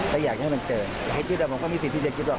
ใครอยากให้มันเจอให้ที่เรามีที่พิธีจะคิดว่า